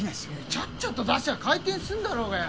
ちゃっちゃと出しゃ回転すんだろうがよ。